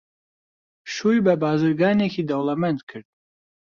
شووی بە بازرگانێکی دەوڵەمەند کرد.